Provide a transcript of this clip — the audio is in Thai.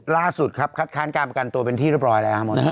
ล่าสุดครับคัดค้านการประกันตัวเป็นที่เรียบร้อยแล้วครับ